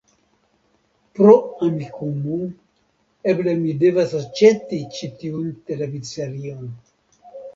Pro Amikumu, eble mi devas aĉeti ĉi tiun televidserion